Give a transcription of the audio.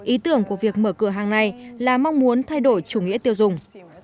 ý tưởng của việc mở cửa hàng ngày là mong muốn thay đổi chủ nghĩa tiêu dùng